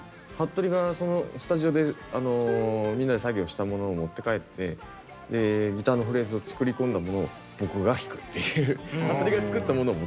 とりがそのスタジオでみんなで作業したものを持って帰ってでギターのフレーズを作り込んだものを僕が弾くっていう。